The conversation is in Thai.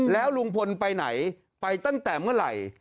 แล้วลุงพลไปไหนไปตั้งแต่เมื่อไหร่